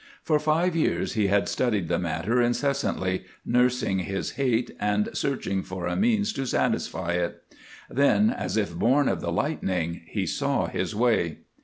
For five years he had studied the matter incessantly, nursing his hate and searching for a means to satisfy it. Then, as if born of the lightning, he saw his way.